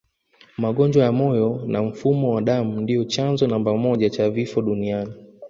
Magonjwa ya moyo na mfumo wa damu ndio chanzo namba moja cha vifo duniani